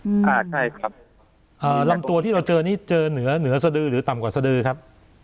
อ่าใช่ครับเอ่อลำตัวที่เราเจอนี่เจอเหนือเหนือสดือหรือต่ำกว่าสดือครับ